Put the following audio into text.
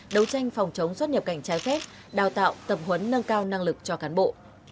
đấu tranh phòng chống xuất nhập cảnh trái phép đào tạo tập huấn nâng cao năng lực cho cán bộ